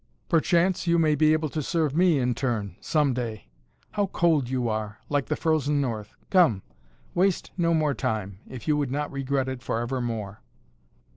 Perchance you may be able to serve me in turn some day. How cold you are! Like the frozen North! Come! Waste no more time, if you would not regret it forevermore."